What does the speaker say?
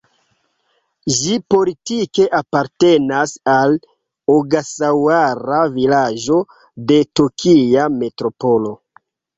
Ĝi politike apartenas al Ogasaŭara-vilaĝo de Tokia Metropolo.